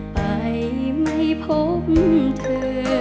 ไปไม่พบเธอ